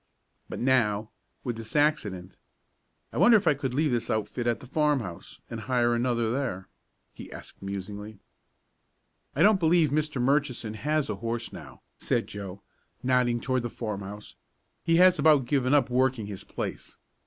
But now, with this accident I wonder if I could leave this outfit at the farmhouse, and hire another there?" he asked musingly. "I don't believe Mr. Murchison has a horse now," said Joe, nodding toward the farmhouse. "He has about given up working his place.